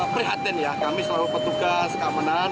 prihatin ya kami selalu petugas keamanan